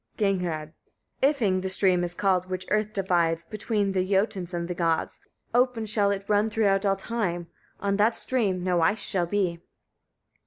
Gagnrâd. 16. Ifing the stream is called which earth divides between the Jötuns and the Gods: open shall it run throughout all time. On that stream no ice shall be.